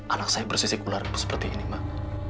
anak saya bersisik ular seperti ini mak